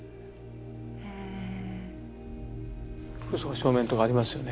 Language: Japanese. その正面とこありますよね